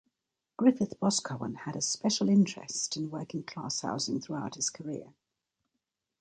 Griffith-Boscawen had a special interest in working class housing throughout his career.